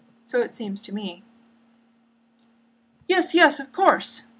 So it seems to me." "Yes, yes, of course!"